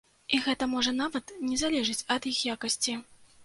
І гэта можа нават не залежыць ад іх якасці.